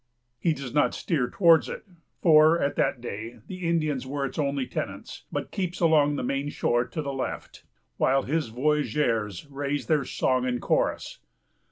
He does not steer towards it, for at that day the Indians were its only tenants, but keeps along the main shore to the left, while his voyageurs raise their song and chorus.